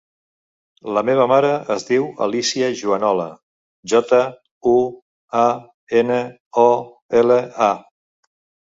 La meva mare es diu Alícia Juanola: jota, u, a, ena, o, ela, a.